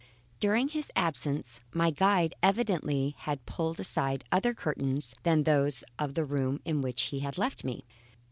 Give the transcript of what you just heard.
During his absence my guide evidently had pulled aside other curtains than those of the room in which he had left me.